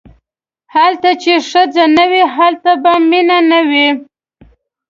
هلته چې ښځه نه وي هلته به مینه نه وي.